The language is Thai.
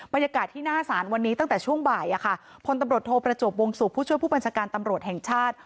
บรรยากาศที่หน้าศาลวันนี้ตั้งแต่ช่วงบ่ายพลตำรวจโทประจวบวงศุกร์ผู้ช่วยผู้บัญชาการตำรวจแห่งชาติ